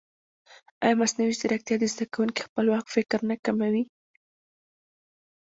ایا مصنوعي ځیرکتیا د زده کوونکي خپلواک فکر نه کموي؟